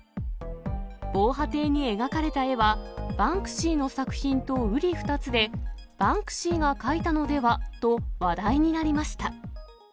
防波堤に描かれた絵は、バンクシーの作品とうり二つで、バンクシーが描いたのでは？と話題になりました。